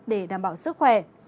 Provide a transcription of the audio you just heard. để đảm bảo sức khỏe